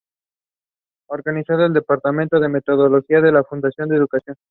Organizó el Departamento de Metodología en la Facultad de Educación.